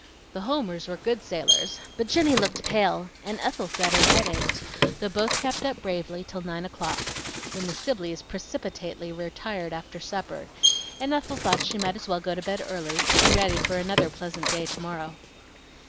The Homers were good sailors, but Jenny looked pale, and Ethel said her head ached, though both kept up bravely till nine o'clock, when the Sibleys precipitately retired after supper, and Ethel thought she might as well go to bed early to be ready for another pleasant day to morrow.